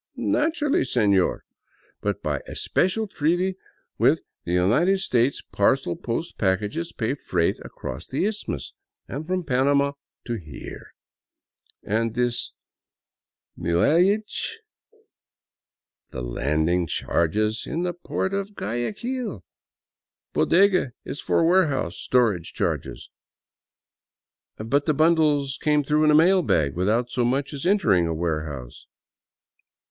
" Naturally, senor, but by a special treaty with the United States parcel post packages pay freight across the Isthmus, and from Panama to here." " And this muellage —?"" The landing charges in the port of Guayaquil. Bodega is for warehouse storage charges —"" But the bundles came through in a mail bag, without so much as entering a warehouse."